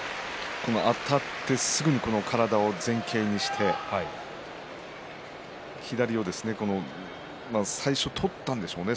あたってすぐに体を前傾にして左を最初、取ったんでしょうね